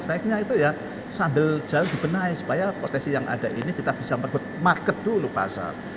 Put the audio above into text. sebaiknya itu ya sambil jauh dibenahi supaya potensi yang ada ini kita bisa merebut market dulu pasar